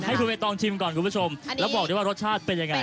ให้คุณใบตองชิมก่อนคุณผู้ชมแล้วบอกได้ว่ารสชาติเป็นยังไง